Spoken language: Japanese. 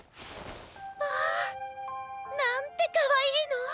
まあなんてかわいいの！